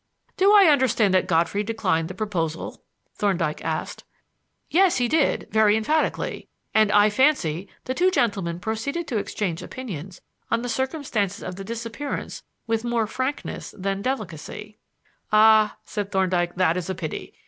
"Do I understand that Godfrey declined the proposal?" Thorndyke asked. "Yes, he did, very emphatically; and I fancy the two gentlemen proceeded to exchange opinions on the circumstances of the disappearance with more frankness than delicacy." "Ah," said Thorndyke, "that is a pity.